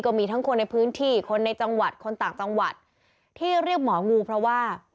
มีทั้งคนในพื้นที่คนในจังหวัดคนต่างจังหวัดที่เรียกหมองูเพราะว่า